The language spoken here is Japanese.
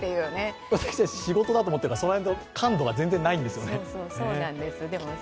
私たち、仕事だと思ってるからその辺の感度が全然ないんですよね。